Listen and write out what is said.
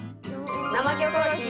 生キョコロヒー。